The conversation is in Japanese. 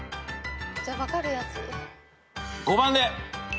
じゃあ分かるやつ。